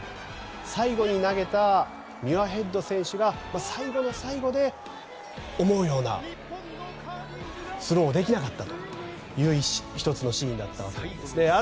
最後に投げたミュアヘッド選手が最後の最後で思うようなスローをできなかったという１つのシーンだったわけですね。